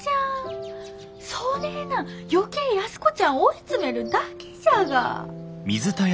そねえなん余計安子ちゃん追い詰めるだけじゃが。